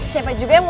siapa juga yang mau